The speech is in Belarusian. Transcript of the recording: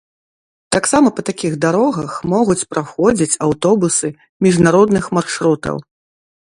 Таксама па такіх дарогах могуць праходзіць аўтобусы міжнародных маршрутаў.